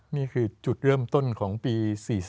นี่คือจุดเริ่มต้นของปี๔๔